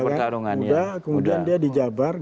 pertama dia bergabar muda kemudian dia dijabar